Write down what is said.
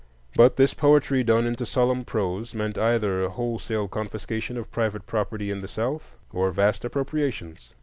But this poetry done into solemn prose meant either wholesale confiscation of private property in the South, or vast appropriations.